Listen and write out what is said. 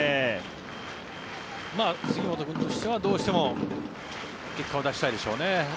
杉本君としてはどうしても結果を出したいでしょうね。